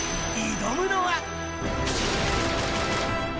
挑むのは。